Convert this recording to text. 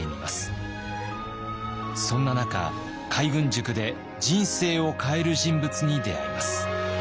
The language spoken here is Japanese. そんな中海軍塾で人生を変える人物に出会います。